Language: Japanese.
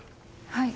はい。